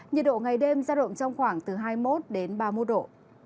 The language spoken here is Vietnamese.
nhiệt độ ngày đêm ra động trong khoảng từ hai mươi một đến ba mươi một độ